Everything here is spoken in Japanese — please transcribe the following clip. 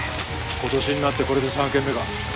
今年になってこれで３軒目か。